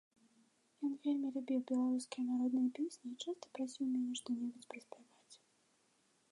Ён вельмі любіў беларускія народныя песні і часта прасіў мяне што-небудзь праспяваць.